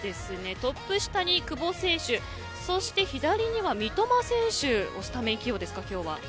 トップ下に久保選手そして左には三笘選手をスタメン起用ですか。